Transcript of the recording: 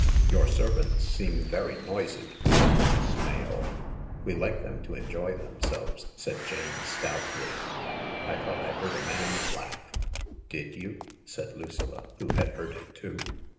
" Your servants seem very noisy," said Mrs. Smale. " We like them to enjoy themselves/' said Jane stoutly. " I thought I heard a man's laugh." " Did you ?" said Lucilla, who had heard it too.